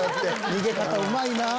逃げ方うまいなぁ。